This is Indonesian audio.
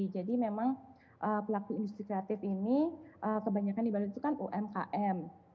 jadi memang pelaku industri kreatif ini kebanyakan dibalikkan umkm